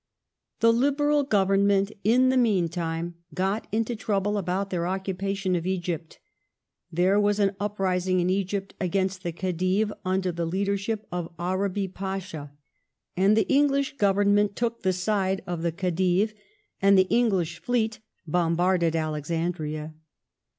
The Liberal Government in the meantime got into trouble about their occupation of Egypt. There was an uprising in Egypt against the Khe dive under the leadership of Arabi Pasha. And 348 THE STORY OF GLADSTONE'S LIFE the English Government took the side of the Khedive, and the English fleet bombarded Alex andria.